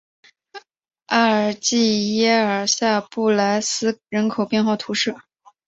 阿尔济耶尔下布来斯人口变化图示